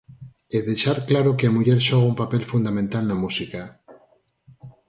E deixar claro que a muller xoga un papel fundamental na música.